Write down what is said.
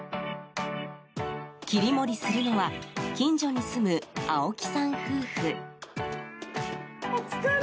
切り盛りするのは近所に住む青木さん夫妻。